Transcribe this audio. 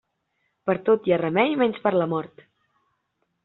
Per a tot hi ha remei, menys per a la mort.